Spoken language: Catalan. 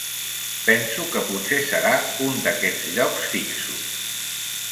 Penso que potser serà un d'aquests llocs fixos.